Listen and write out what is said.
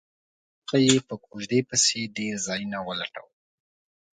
احمد ته یې په کوزده پسې ډېر ځایونه ولټول.